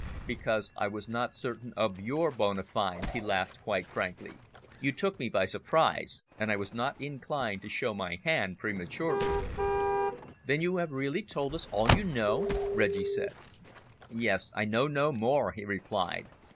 "Because I was not certain of your bona fides," he laughed quite frankly. "You took me by surprise, and I was not inclined to show my hand prematurely." "Then you have really told us all you know?" Reggie said. "Yes, I know no more," he replied.